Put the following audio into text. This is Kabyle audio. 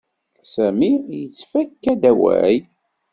Sami yettfaka-d awal.